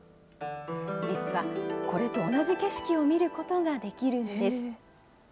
実は、これと同じ景色を見ることができるんです。